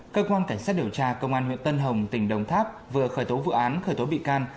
cơ quan cảnh sát điều tra công an huyện tân hồng tỉnh đồng tháp vừa khởi tố vụ án khởi tố bị can